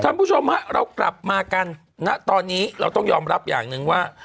คุณผู้ชมฮะเรากลับมากันณตอนนี้เราต้องยอมรับอย่างหนึ่งว่า